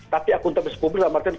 tapi akuntabilitas publik dalam artian